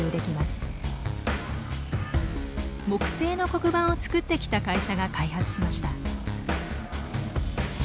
木製の黒板を作ってきた会社が開発しました。